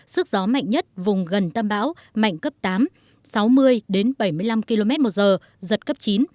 sức gió mạnh nhất vùng gần tâm bão mạnh cấp tám sáu mươi đến bảy mươi năm km một giờ giật cấp chín